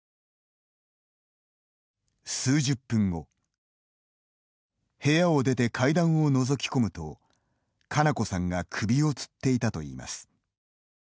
数十分後部屋を出て階段をのぞき込むと佳菜子さんが首をつっていたといいます。